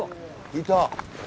いた！